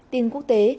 tiếng quốc tế